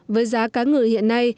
với giá cá ngừ hiện nay